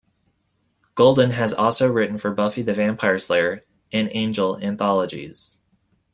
Golden has also written for "Buffy the Vampire Slayer" and "Angel" anthologies.